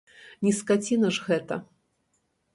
Не скаціна ж гэта.